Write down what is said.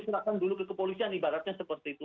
serahkan dulu ke kepolisian ibaratnya seperti itu